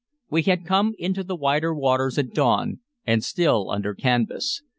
We had come into the wider waters at dawn, and still under canvas.